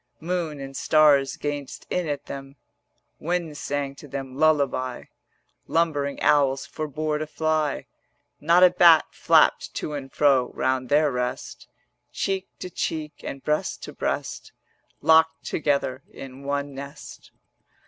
Moon and stars gazed in at them, Wind sang to them lullaby, Lumbering owls forbore to fly, Not a bat flapped to and fro Round their rest: Cheek to cheek and breast to breast Locked together in one nest.